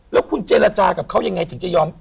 แล้วคุณเจรจากับเขายังไงถึงจะยอม